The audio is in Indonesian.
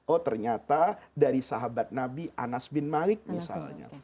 oh ternyata dari sahabat nabi anas bin malik misalnya